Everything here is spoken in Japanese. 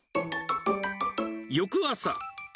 翌朝。